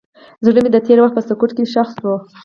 زړه مې د تېر وخت په سکوت کې ښخ شو.